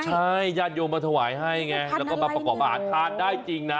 ใช่ญาติโยมมาถวายให้ไงแล้วก็มาประกอบอาหารทานได้จริงนะ